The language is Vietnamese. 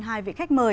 hai vị khách mời